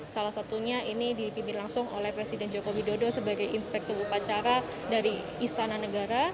salah satunya ini dipimpin langsung oleh presiden joko widodo sebagai inspektur upacara dari istana negara